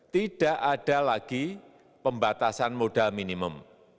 tidak ada lagi pembatasan modal minimum